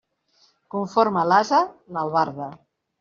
Conforme l'ase, l'albarda.